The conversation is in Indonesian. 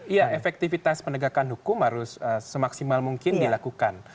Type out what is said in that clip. iya efektivitas penegakan hukum harus semaksimal mungkin dilakukan